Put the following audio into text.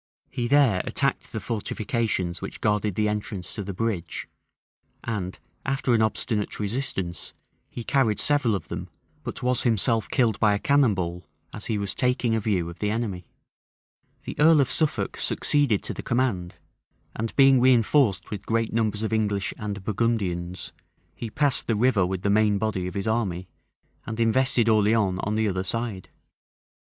He there attacked the fortifications which guarded the entrance to the bridge; and, after an obstinate resistance, he carried several of them; but was himself killed by a cannon ball as he was taking a view of the enemy.[*] * Hall, fol. 105. Monstrelet, vol. ii. p. 39., Stowe, p. 369. Hoingshed, p. 599. Grafton, p. 531. The earl of Suffolk succeeded to the command; and being reënforced with great numbers of English and Burgundians, he passed the river with the main body of his army, and invested Orleans on the other side.